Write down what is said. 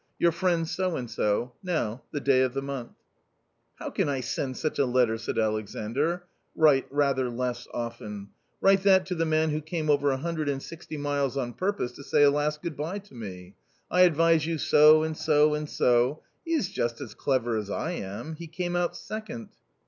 Your friend so and so. Now, the day of the month." " How can I send such a letter ?" said Alexandr, "' write rather less often '— write that to the man who came over a hundred and sixty miles on purpose to say a last good bye to me ! 'I advise you so, and so, and so ': he is just as clever as I am, he came out second."